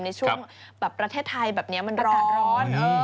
ในช่วงแบบประเทศไทยแบบนี้มันร้อน